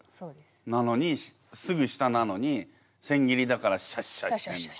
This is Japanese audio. なのにすぐ下なのに千切りだからシャッシャッシャッ。